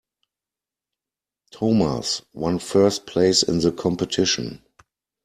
Thomas one first place in the competition.